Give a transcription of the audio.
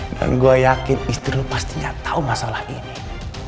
dan gua yakin istri lo pastinya tau masalah ini